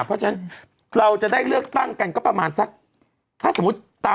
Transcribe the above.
เพราะฉะนั้นเราจะได้เลือกตั้งกันก็ประมาณสักถ้าสมมุติตาม